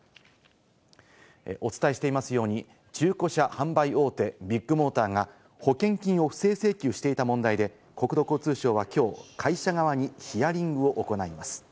お伝えしていますように、中古車販売大手・ビッグモーターが保険金を不正請求していた問題で、国土交通省はきょう、会社側にヒアリングを行います。